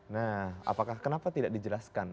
nah kenapa tidak dijelaskan